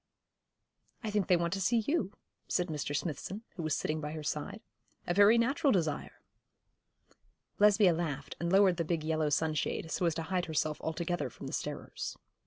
'I think they want to see you,' said Mr. Smithson, who was sitting by her side. 'A very natural desire.' Lesbia laughed, and lowered the big yellow sunshade, so as to hide herself altogether from the starers.